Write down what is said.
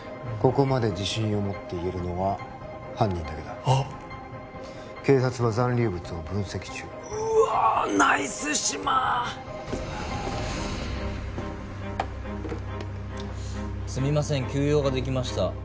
ここまで自信を持って言えるのは犯人だけだあっ警察は残留物を分析中うわーっナイス志摩すみません急用ができました